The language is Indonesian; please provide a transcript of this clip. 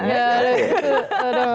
nggak udah gitu